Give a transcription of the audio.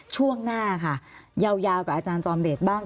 ช่วงหน้าค่ะยาวกับอาจารย์จอมเดชบ้าง